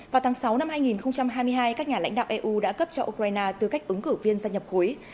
vào tháng sáu năm hai nghìn hai mươi hai các nhà lãnh đạo eu đã cấp cho ukraine tư cách ứng cử viên gia nhập khối